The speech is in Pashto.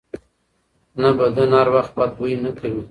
نه، بدن هر وخت بد بوی نه کوي.